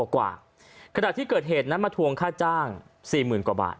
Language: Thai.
ขนาดที่เกิดเหตุมันเทรียมมาถวงค่าจ้าง๔๐๐๐๐กว่าบาท